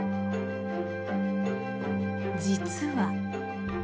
実は。